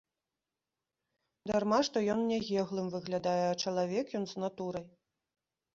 Дарма, што ён нягеглым выглядае, а чалавек ён з натурай.